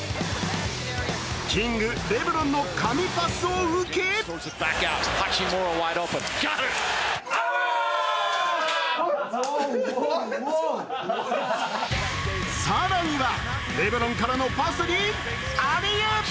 キング・レブロンの神パスを受けさらにはレブロンからのパスにアリウープ！